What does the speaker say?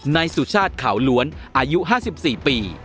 นายสุชาติขาวล้วนอายุห้าสิบสี่ปี